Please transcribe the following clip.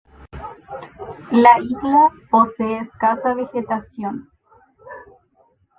La isla posee escasa vegetación.